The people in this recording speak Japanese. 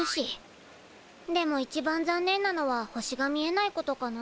でもいちばん残念なのは星が見えないことかな。